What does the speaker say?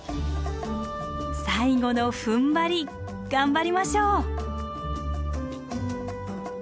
最後のふんばり頑張りましょう！